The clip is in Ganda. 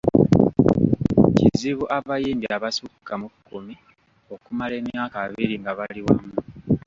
Kizibu abayimbi abasukka mu kkumi okumala emyaka abiri nga bali wamu.